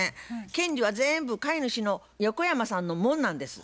権利は全部買主の横山さんのもんなんです。